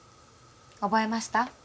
覚えました？